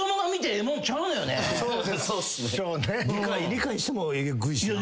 理解してもえぐいしな。